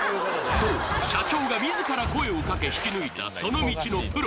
そう社長が自ら声をかけ引き抜いたその道のプロ